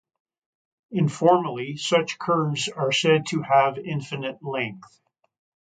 Informally, such curves are said to have infinite length.